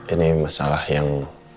ini masalah yang